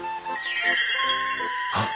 あっ！